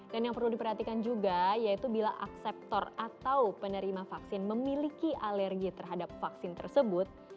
dan yang perlu diperhatikan juga yaitu bila akseptor atau penerima vaksin memiliki alergi terhadap vaksin tersebut